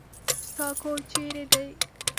ستا کور چېري دی ؟